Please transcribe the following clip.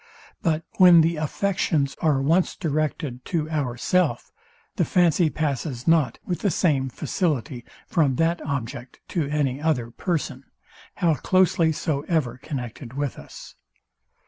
But when the affections are once directed to ourself, the fancy passes not with the same facility from that object to any other person, how closely so ever connected with us.